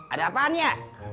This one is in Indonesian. ada apaan ya